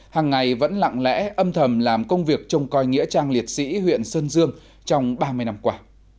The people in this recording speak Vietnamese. hàng ngày vẫn lặng lẽ âm thầm làm công việc trông coi nghĩa trang liệt sĩ huyện sơn dương trong ba mươi năm qua